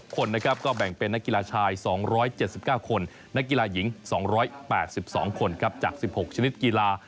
คนนะครับก็แบ่งเป็นนักกีฬาชาย๒๗๙คนนักกีฬาหญิง๒๘๒คนครับจาก๑๖ชนิดกีฬา